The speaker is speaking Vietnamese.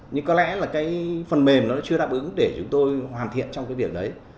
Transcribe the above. nhưng có lẽ là cái phần mềm nó chưa đáp ứng để chúng tôi hoàn thiện trong cái việc đấy